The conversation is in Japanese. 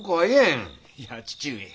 いや父上。